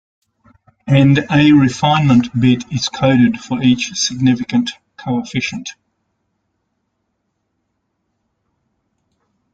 And A refinement bit is coded for each significant coefficient.